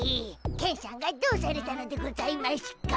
ケンしゃんがどうされたのでございましゅか？